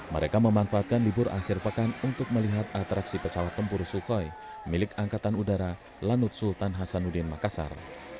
mereka memanfaatkan libur akhir pekan untuk melihat atraksi pesawat tempur sukhoi milik angkatan udara lanut sultan hasanuddin makassar